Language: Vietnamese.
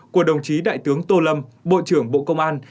của đồng chí đại tướng tô lâm bộ trưởng bộ công an